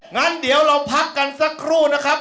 งั้นเดี๋ยวเราพักกันสักครู่นะครับ